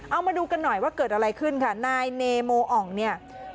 เอามาดูกันหน่อยว่าเกิดอะไรขึ้นค่ะนายเนโมอ่องเนี่ย